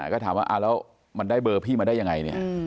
ก็ถามว่าอ้าวแล้วมันได้เบอร์พี่มาได้ยังไง